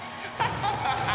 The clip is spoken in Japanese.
ハハハハハ！